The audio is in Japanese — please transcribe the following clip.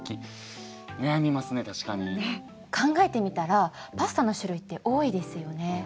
考えてみたらパスタの種類って多いですよね。